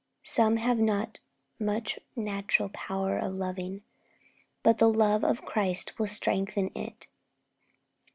Some have not much natural power of loving, but the love of Christ will strengthen it.